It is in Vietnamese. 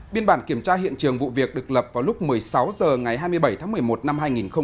biên bản kiểm tra hiện trường vụ việc được lập vào lúc một mươi sáu h ngày hai mươi bảy tháng một mươi một năm hai nghìn một mươi chín